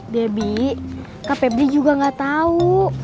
debbie kak febri juga gak tau